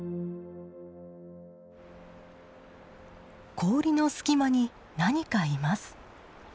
氷の隙間に何かいます。